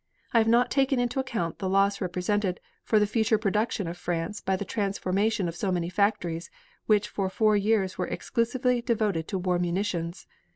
I have not taken into account the loss represented for the future production of France by the transformation of so many factories which for four years were exclusively devoted to war munitions.